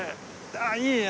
あっいいね。